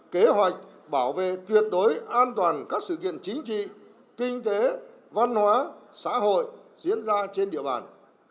kế hoạch bảo vệ tuyệt đối an toàn các sự kiện chính trị kinh tế văn hóa xã hội diễn ra trên địa bàn